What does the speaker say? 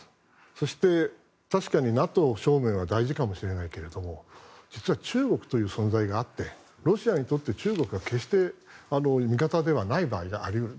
そして、確かにＮＡＴＯ正面は大事かもしれないけど実は、中国という存在があってロシアにとって中国が決して味方ではない場合があり得る。